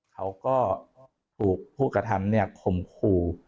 เขาก็ถูกผู้กระทำข่มขู่